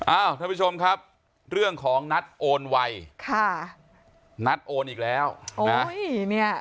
ท่านผู้ชมครับเรื่องของนัดโอนไวค่ะนัดโอนอีกแล้วนะ